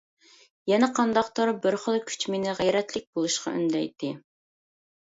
يەنە قانداقتۇر بىر خىل كۈچ مېنى غەيرەتلىك بولۇشقا ئۈندەيتتى.